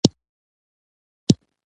حیوانات ځینې وختونه د شنو ځمکو ساتنه کوي.